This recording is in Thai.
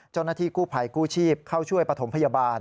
เจ้าหน้าที่กู้ภัยกู้ชีพเข้าช่วยปฐมพยาบาล